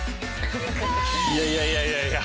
いやいやいやいや。